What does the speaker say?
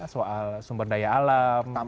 soal sumber daya alam